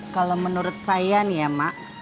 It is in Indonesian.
kalau menurut saya nih ya mak